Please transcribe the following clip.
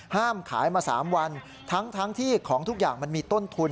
ขายมา๓วันทั้งที่ของทุกอย่างมันมีต้นทุน